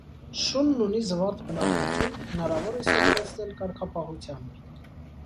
Շունն ունի զվարթ բնավորություն, հնարավոր է սովորեցնել կարգապահության։